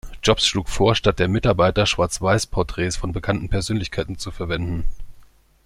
Jobs schlug vor, statt der Mitarbeiter Schwarzweiß-Porträts von bekannten Persönlichkeiten zu verwenden.